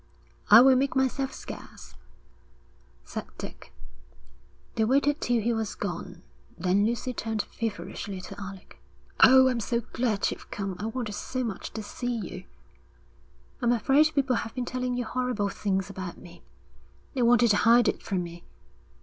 'I will make myself scarce,' said Dick. They waited till he was gone. Then Lucy turned feverishly to Alec. 'Oh, I'm so glad you've come. I wanted so much to see you.' 'I'm afraid people have been telling you horrible things about me.' 'They wanted to hide it from me.'